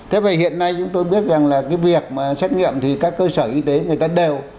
thế và hiện nay chúng tôi biết rằng là cái việc mà xét nghiệm thì các cơ sở y tế người ta đều